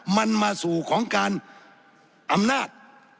มันมาสู่ของการอำนาจ